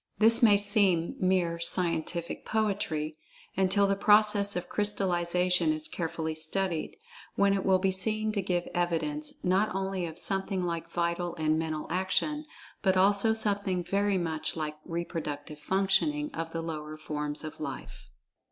This may seem mere "scientific poetry" until the process of crystallization is carefully studied, when it will be seen to give evidence, not only of something like vital and mental action, but also something very much like reproductive functioning of the lower forms of "life."